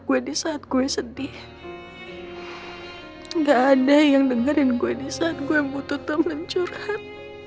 gak ada yang dengerin gue di saat gue butuh temen curhat